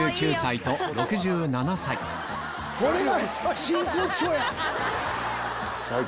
これが。